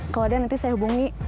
kalau ada nanti saya hubungi